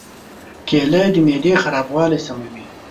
کېله د معدې خرابوالی سموي.